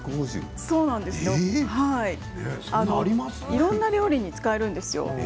いろんな料理に使えるんですよ。